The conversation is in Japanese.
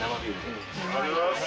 ありがとうございます。